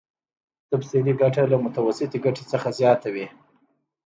تفضيلي ګټه له متوسطې ګټې څخه زیاته وي